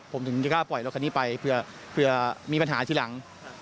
ผมถึงจะกล้าปล่อยรถคันนี้ไปเผื่อมีปัญหาทีหลัง